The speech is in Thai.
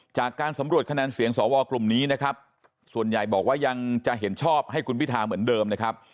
จากการสำรวจคะแนนเสียงสวกลุ่มนี้นะครับส่วนใหญ่บอกว่ายังจะเห็นชอบให้คุณพิธาเหมือนเดิมนะครับ